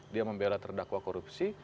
dia membela terdakwa korupsi